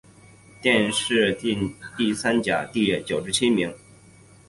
殿试登进士第三甲第九十七名。